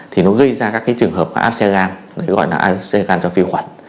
thì nó gây ra các trường hợp áp xe gan gọi là áp xe gan cho vi khuẩn